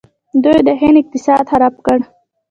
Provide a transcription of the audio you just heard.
دوی د هند اقتصاد خراب کړ.